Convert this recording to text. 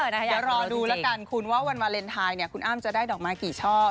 เดี๋ยวรอดูแล้วกันคุณว่าวันวาเลนไทยคุณอ้ำจะได้ดอกไม้กี่ช่อ